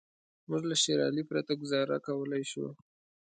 موږ له شېر علي پرته ګوزاره کولای شو.